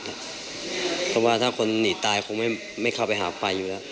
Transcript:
เพราะว่าถ้าคนหนีตายคงไม่เข้าไปหาไฟอยู่แล้ว